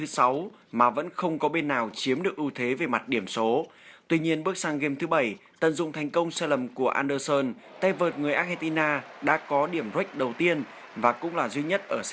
xin chào và hẹn gặp lại trong các video tiếp theo